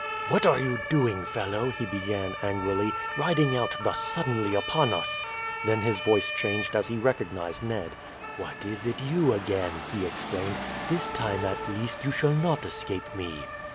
"What are you doing, fellow?" he began angrily, "riding out thus suddenly upon us?" Then his voice changed as he recognized Ned. "What, is it you again?" he exclaimed. "This time at least you shall not escape me."